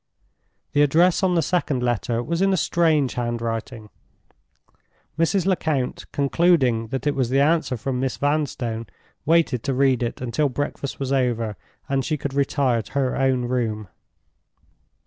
The address on the second letter was in a strange handwriting. Mrs. Lecount, concluding that it was the answer from Miss Vanstone, waited to read it until breakfast was over, and she could retire to her own room.